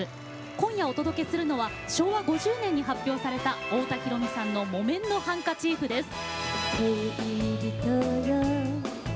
今夜お届けするのは昭和５０年に発表された太田裕美さんの「木綿のハンカチーフ」です。